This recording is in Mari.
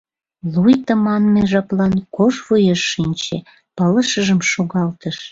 Луй тыманме жаплан кож вуеш шинче, пылышыжым шогалтыш.